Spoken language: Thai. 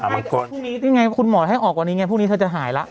บางครทุกนี้อะอันนี้ไงคุณหมอให้ออกวันนี้ไงพรุ่งนี้เธอจะหายล่ะ